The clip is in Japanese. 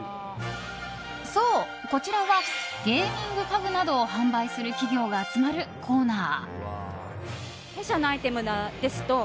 そう、こちらはゲーミング家具などを販売する企業が集まるコーナー。